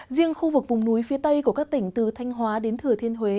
riêng khu vực vùng núi phía tây của các tỉnh từ thanh hóa đến thừa thiên huế